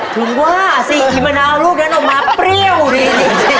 ถูกว่าสิมะนาวลูกนั้นอบมาเปรี้ยวดี